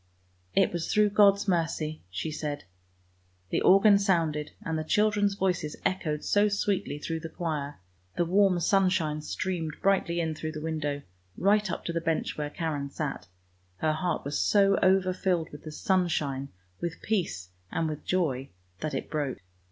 "" It was through God's mercy! " she said. The organ sounded, and the children's voices echoed so sweetly through the choir. The warm sunshine streamed brightly in through the window, right up to the bench where Karen sat; her heart was so over filled with the sunshine, with peace, and with joy, that it broke.